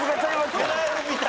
狙えるみたい。